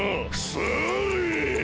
それ！